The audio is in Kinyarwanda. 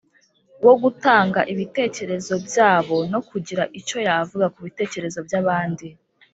wo gutanga ibitekerezo byabo no kugira icyo yavuga ku bitekerezo by’abandi.